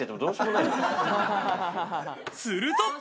すると。